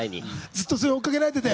ずっとそれに追っかけられてて。